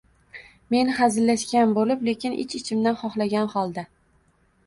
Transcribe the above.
Men xazillashgan boʻlib lekin ich-ichimdan xoxlagan xolda: